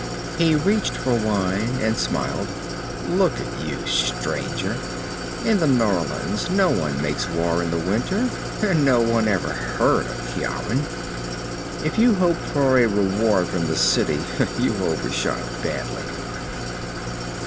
He reached for wine, and smiled. "Look you, stranger. In the Norlands, no one makes war in the winter. And no one ever heard of Ciaran. If you hoped for a reward from the city, you overshot badly."